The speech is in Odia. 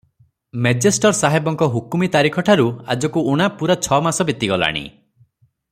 ମେଜେଷ୍ଟର ସାହେବଙ୍କ ହୁକୁମୀ ତାରିଖଠାରୁ ଆଜକୁ ଊଣା ପୂରା ଛ ମାସ ବିତିଗଲାଣି ।